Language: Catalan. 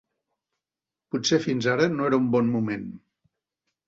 Potser fins ara no era un bon moment.